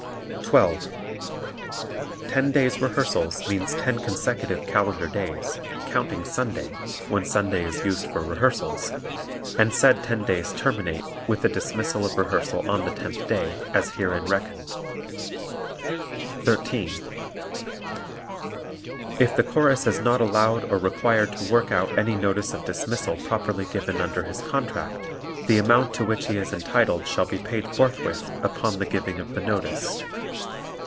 12. Ten days' rehearsals means ten consecutive calendar days, counting Sunday (when Sunday is used for rehearsals) and said ten days terminate with the dismissal of rehearsal on the tenth day, as herein reckoned. 13. If the Chorus is not allowed or required to work out any notice of dismissal properly given under his contract the amount to which he is entitled shall be paid forthwith upon the giving of the notice.